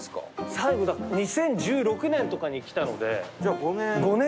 最後２０１６年とかに来たのでじゃあ５年。